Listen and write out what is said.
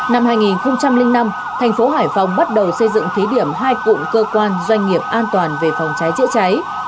năm hai nghìn năm thành phố hải phòng bắt đầu xây dựng thí điểm hai cụm cơ quan doanh nghiệp an toàn về phòng cháy chữa cháy